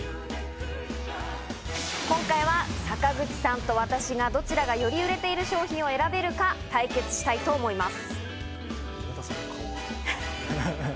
今回は坂口さんと私が、どちらがより売れている商品を選べるか対決したいと思います。